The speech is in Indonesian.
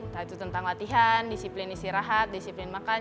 tentang latihan disiplin istirahat disiplin makan